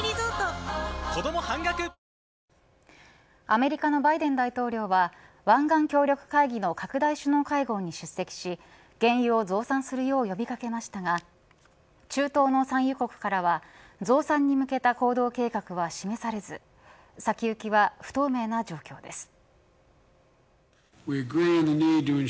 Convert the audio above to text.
アメリカのバイデン大統領は湾岸協力会議の拡大首脳会合に出席し原油を増産するよう呼び掛けましたが中東の産油国からは増産に向けた行動計画は示されず先行きは不透明な状況です。